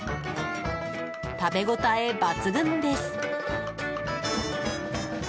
食べ応え抜群です。